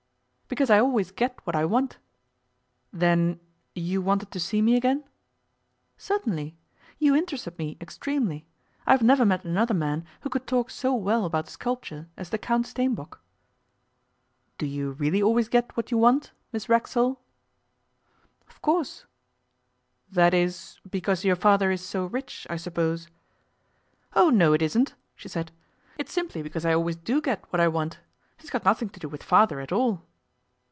'Because I always get what I want.' 'Then you wanted to see me again?' 'Certainly. You interested me extremely. I have never met another man who could talk so well about sculpture as the Count Steenbock.' 'Do you really always get what you want, Miss Racksole?' 'Of course.' 'That is because your father is so rich, I suppose?' 'Oh, no, it isn't!' she said. 'It's simply because I always do get what I want. It's got nothing to do with Father at all.